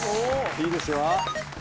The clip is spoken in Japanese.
いいですよ。